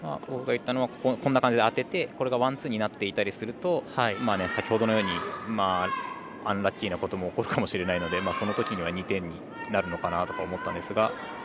僕が言ったのはこんな感じで当ててこれがワン、ツーになってたりすると先ほどのようにアンラッキーなことも起こるかもしれないのでそのときには２点になるのかなと思ったんですが。